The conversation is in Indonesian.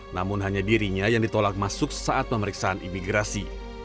namun hanya dirinya yang ditolak masuk saat pemeriksaan imigrasi